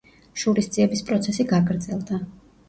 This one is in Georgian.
შურისძიების პროცესი გაგრძელდა.